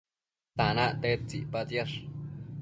tanac tedtsi icpatsiash?